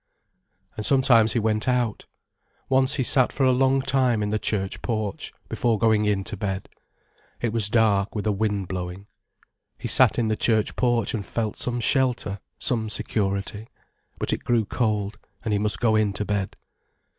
And sometimes he went out. Once he sat for a long time in the church porch, before going in to bed. It was dark with a wind blowing. He sat in the church porch and felt some shelter, some security. But it grew cold, and he must go in to bed.